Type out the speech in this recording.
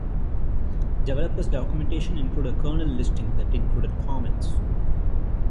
Developer's documentation included a kernel listing that included comments.